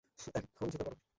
এখন ঝুঁকে পরো।